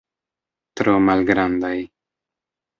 Tro malgrandaj.